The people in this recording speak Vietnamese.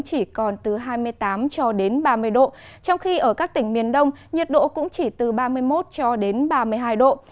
chỉ còn từ hai mươi tám cho đến ba mươi độ trong khi ở các tỉnh miền đông nhiệt độ cũng chỉ từ ba mươi một cho đến ba mươi hai độ